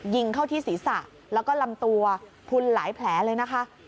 ยิงเข้าที่ศีรษะแล้วก็ลำตัวพุนหลายแผลเลยนะคะ